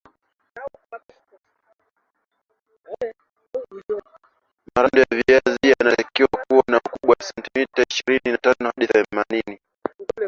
marando yaviazi yanatakiwa kuwa na ukubwa wa sentimita ishirini na tano hadi themanini